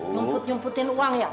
nyumput nyumputin uang ya